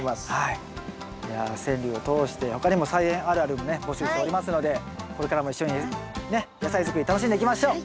いや川柳を通して他にも「菜園あるある」もね募集しておりますのでこれからも一緒にね野菜作り楽しんでいきましょう！